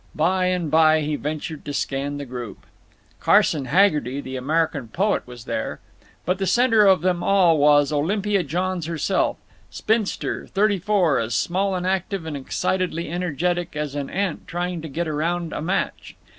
By and by he ventured to scan the group. Carson Haggerty, the American poet, was there. But the center of them all was Olympia Johns herself—spinster, thirty four, as small and active and excitedly energetic as an ant trying to get around a match.